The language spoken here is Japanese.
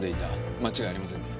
間違いありませんね？